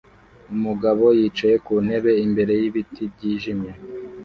Umugabo yicaye ku ntebe imbere y’ibiti byijimye